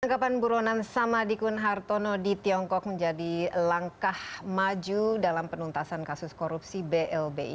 tanggapan buronan samadikun hartono di tiongkok menjadi langkah maju dalam penuntasan kasus korupsi blbi